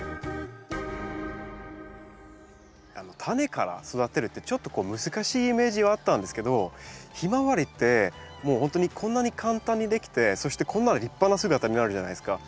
タネから育てるってちょっとこう難しいイメージはあったんですけどヒマワリってもうほんとにこんなに簡単にできてそしてこんな立派な姿になるじゃないですか。